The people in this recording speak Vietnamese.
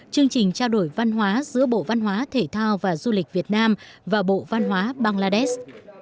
chương trình trao đổi văn hóa giữa bộ văn hóa thể thao và du lịch việt nam và bộ văn hóa bangladesh